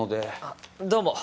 どうも。